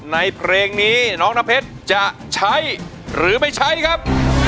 ในเพลงนี้น้องน้ำเพชรจะใช้หรือไม่ใช้ครับ